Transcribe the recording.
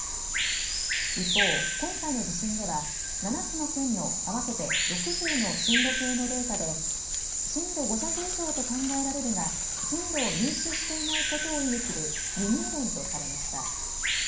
一方、今回の地震では７つの県の合わせて６０の震度計のデータで震度５弱以上と考えられるが震度を入手していないことを意味する未入電とされました。